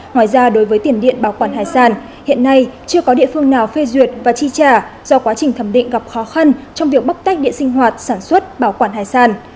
ngoài ra đối với tiền điện bảo quản hải sản hiện nay chưa có địa phương nào phê duyệt và chi trả do quá trình thẩm định gặp khó khăn trong việc bóc tách điện sinh hoạt sản xuất bảo quản hải sản